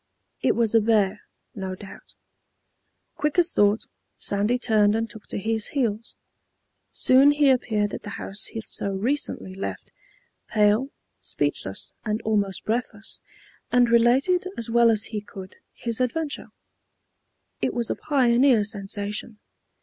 It was a bear, no doubt. Quick as thought, Sandy turned and took to his heels. Soon he appeared at the house he so recently left, pale, speechless and almost breathless, and related, as well as he could, his adventure. It was a pioneer sensation.